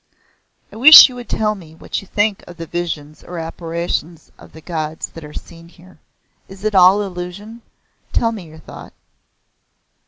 "I wish you would tell me what you think of the visions or apparitions of the gods that are seen here. Is it all illusion? Tell me your thought."